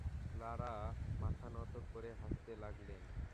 Clara মাথা নত করে হাসতে লাগলেন।